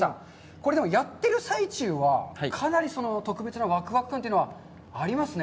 これでもやってる最中はかなり特別なわくわく感というのはありますね？